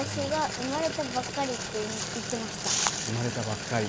生まれたばっかり。